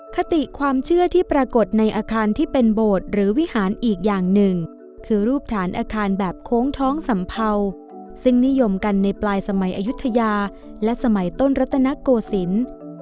คติความเชื่อที่ปรากฏในอาคารที่เป็นโบสถ์หรือวิหารอีกอย่างหนึ่งคือรูปฐานอาคารแบบโค้งท้องสัมเภาซึ่งนิยมกันในปลายสมัยอายุทยาและสมัยต้นรัตนโกศิลป์